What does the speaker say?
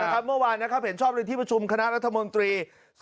เมื่อวานเห็นชอบในที่ประชุมคณะรัฐมนตรี